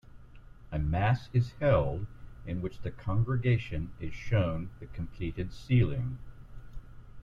A mass is held in which the congregation is shown the completed ceiling.